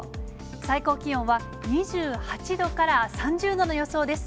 最高気温は２８度から３０度の予想です。